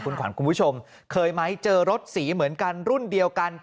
คุณขวัญคุณผู้ชมเคยไหมเจอรถสีเหมือนกันรุ่นเดียวกัน